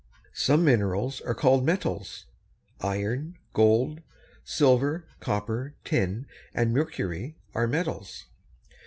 Some minerals are called metals. Iron, gold, silver, copper, tin, and mercury are metals.